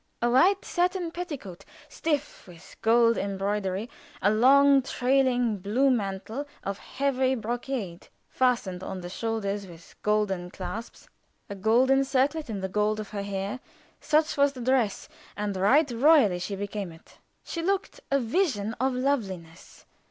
A white satin petticoat, stiff with gold embroidery; a long trailing blue mantle of heavy brocade, fastened on the shoulders with golden clasps; a golden circlet in the gold of her hair; such was the dress, and right royally she became it. She looked a vision of loveliness.